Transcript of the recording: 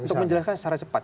untuk menjelaskan secara cepat